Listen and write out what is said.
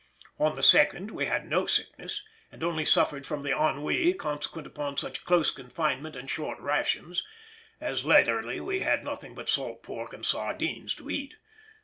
On the second we had no sickness, and only suffered from the ennui consequent upon such close confinement and short rations, as latterly we had nothing but salt pork and sardines to eat.